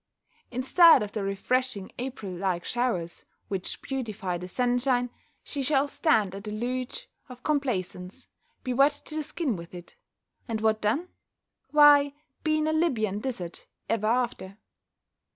Instead of the refreshing April like showers, which beautify the sun shine, she shall stand a deluge of complaisance, be wet to the skin with it; and what then? Why be in a Lybian desert ever after!